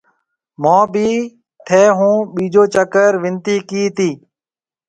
مهون بي ٿَي هون ٻيجو چڪر ونتي ڪِي تي۔